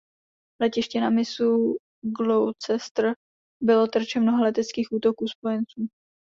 Letiště na mysu Gloucester bylo terčem mnoha leteckých útoků Spojenců.